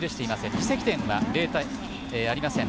自責点はありません。